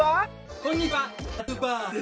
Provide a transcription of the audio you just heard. こんにちは。